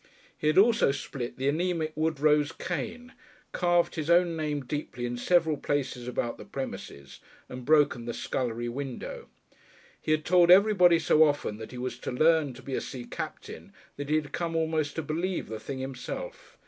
He had also split the anæmic Woodrow's cane, carved his own name deeply in several places about the premises, and broken the scullery window. He had told everybody so often that he was to learn to be a sea captain that he had come almost to believe the thing himself.